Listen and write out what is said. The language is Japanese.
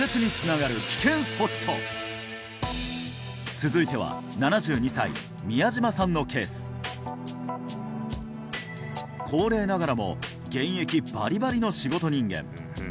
続いては７２歳宮島さんのケース高齢ながらも現役バリバリの仕事人間